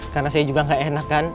karena saya juga gak enak kan